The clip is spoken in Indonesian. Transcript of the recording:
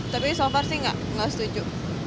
tapi so far sih nggak setuju